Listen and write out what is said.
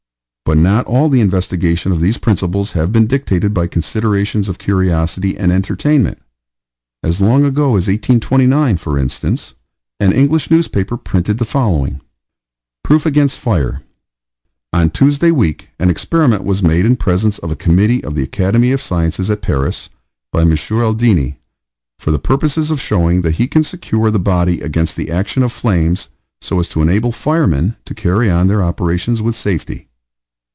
But not all the investigation of these principles has been dictated by considerations of curiosity and entertainment. As long ago as 1829, for instance, an English newspaper printed the following: Proof against Fire On Tuesday week an experiment was made in presence of a Committee of the Academy of Sciences at Paris, by M. Aldini, for the purpose of showing that he can secure the body against the action of flames so as to enable firemen to carry on their operations with safety.